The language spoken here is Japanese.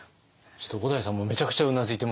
小田井さんもめちゃくちゃうなずいてます。